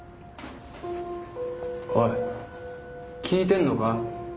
おい聞いてるのか！？